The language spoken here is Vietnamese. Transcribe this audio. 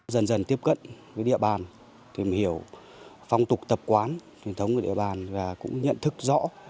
dần dần tiếp cận với địa bàn tìm hiểu phong tục tập quán truyền thống của địa bàn và cũng nhận thức rõ